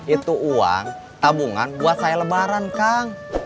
itu uang tabungan buat saya lebaran kang